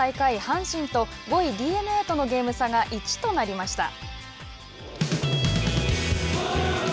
阪神と５位ＤｅＮＡのゲーム差が１となりました。